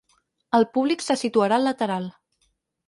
El públic se situarà al lateral.